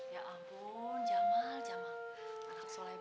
ya ampun jamal jamal anak sole banget